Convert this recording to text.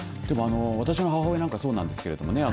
私の母親なんかそうなんですけれどもね